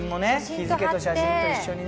日付と写真と一緒にね